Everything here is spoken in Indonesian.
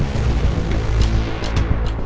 tapi rupanya buat jalan ini